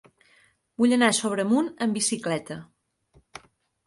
Vull anar a Sobremunt amb bicicleta.